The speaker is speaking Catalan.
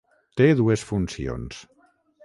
Té dues funcions.